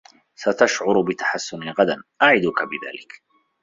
ستشعر بتحسّن غدا، أعدك بذلك.